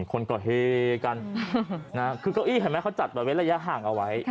คนก็เฮกันคือเก้าอี้เห็นไหมเขาจัดแบบเว้นระยะห่างเอาไว้